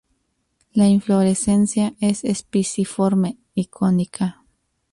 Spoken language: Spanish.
La inflorescencia es espiciforme y cónica.